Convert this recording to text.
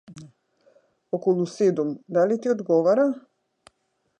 околу седум, дали ти одговара?